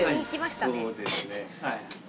そうですね。